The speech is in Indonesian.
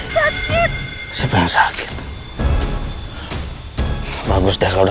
sini sini sini beri gue gendong ya